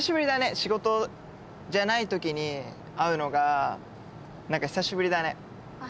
仕事じゃないときに会うのが何か久しぶりだねあっ